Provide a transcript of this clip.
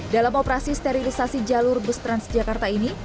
dalam operasi sterilisasi jalur bus transjakarta ini